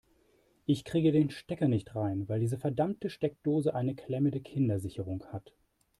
Ich kriege den Stecker nicht rein, weil diese verdammte Steckdose eine klemmende Kindersicherung hat.